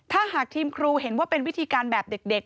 ถ้าหากทีมครูเห็นว่าเป็นวิธีการแบบเด็ก